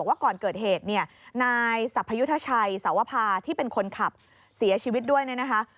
ว่าก่อนเกิดเหตุเนี่ยนายสรรพยุทธชัยสวภาที่เป็นคนขับเสียชีวิตด้วยเนี่ยนะคะ